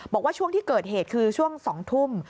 บอกว่าช่วงที่เกิดเหตุคือช่วง๒ทุ่ม